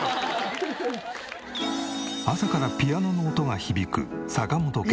朝からピアノの音が響く坂本家。